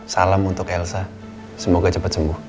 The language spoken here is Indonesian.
salam untuk elsa semoga cepat sembuh